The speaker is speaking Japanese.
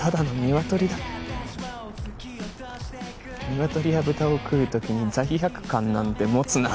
ニワトリや豚を食う時に罪悪感なんて持つな。